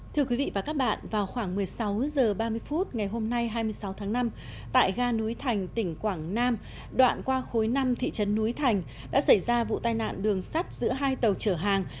thưa quý vị và các bạn vào khoảng một mươi sáu h ba mươi phút ngày hôm nay hai mươi sáu tháng năm tại ga núi thành tỉnh quảng nam đoạn qua khối năm thị trấn núi thành đã xảy ra vụ tai nạn đường sắt giữa hai tàu chở hàng